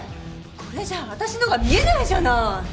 これじゃあたしのが見えないじゃない！